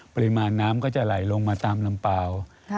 ปริมาณน้ำก็จะไหลลงมาตามลำเปล่า